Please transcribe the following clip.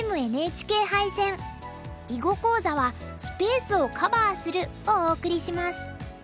囲碁講座は「スペースをカバーする」をお送りします。